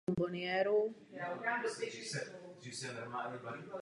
Platí to zejména o práci, kterou vykonáváme v mezinárodním měřítku.